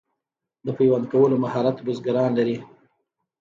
د پیوند کولو مهارت بزګران لري.